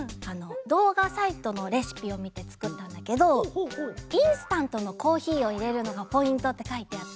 どうがサイトのレシピをみてつくったんだけど「インスタントのコーヒーをいれるのがポイント」ってかいてあって。